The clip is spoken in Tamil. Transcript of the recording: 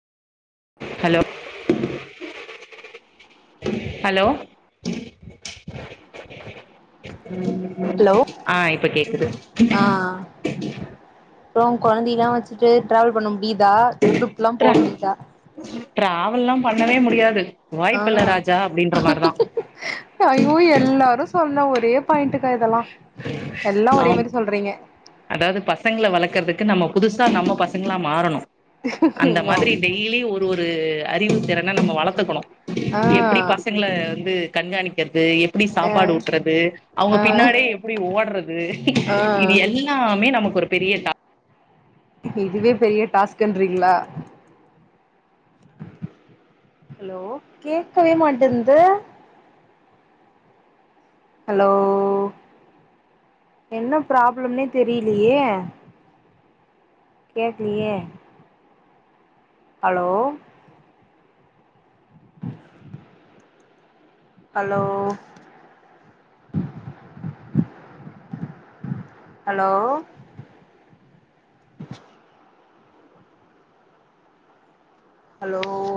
ஹலோ ஹலோ ஹலோ ஆ இப்ப கேக்குது ஆ அப்றோ கொழந்தையிலா வச்சுட்டு ட்ராவல் பண்ண முடியுதா ட்ரிப் லா போ முடியுதா ட்ராவல்லா பண்ணவே முடியாது ஆ வாய்ப்பில்ல ராஜா அப்டின்ற மாரி தா ஐயோ எல்லாரு சொன்ன ஒரே பாயிட்டுக்கா இதெல்லா எல்லா ஒரே மாரி சொல்றீங்க அதாது பசங்கள வளக்கறதுக்கு நம்ம புதுசா நம்ம பசங்களா மாறணு அந்த ஐயோ மாதிரி டெய் லி ஒரு ஒரு அறிவு திறன நம்ம வளத்துக்கணு ஆ எப்டி பசங்கள வந்து கண்காணிக்கிறது எப்டி அ சாப்பாடு ஊட்றது ஆ அவுங்க பின்னாடியே எப்டி ஓடுறது ஆ இது எல் லாமே நமக்கு ஒரு பெரிய டா இதுவே பெரிய டாஸ்குன்றீங்களா ஹலோ கேக்கவே மாட்டேங்குது ஹலோ என ப்ராப்ளம்னே தெரியிலயே கேக்லியே ஹலோ [inaudible] ஹலோ ஹலோ ஹலோ